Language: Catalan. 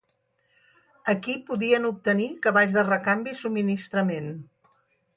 Aquí podien obtenir cavalls de recanvi i subministrament.